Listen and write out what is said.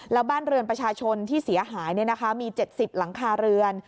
แล้วบ้านเรือนประชาชนที่เสียหายมี๗๐หลังคาเรือน